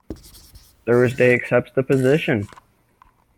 Thursday accepts the position.